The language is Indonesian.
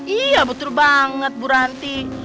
iya betul banget bu ranti